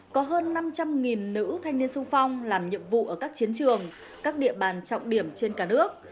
có hơn năm trăm linh nữ thanh niên sung phong làm nhiệm vụ ở các chiến trường các địa bàn trọng điểm trên cả nước